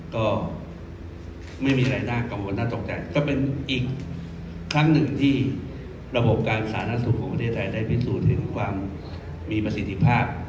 ก็ไม่มีอะไรน่ากังวลน่าตกใจก็เป็นอีกครั้งหนึ่งที่ระบบการสาธารณสุขของประเทศไทยได้พิสูจน์เห็นความมีประสิทธิภาพ